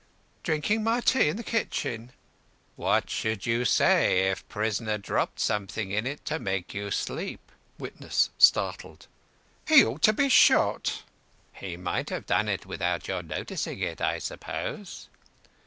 "Drinkin' my tea in the kitchen." "What should you say if prisoner dropped something in it to make you sleep late?" WITNESS (startled): "He ought to be shot." "He might have done it without your noticing it, I suppose?"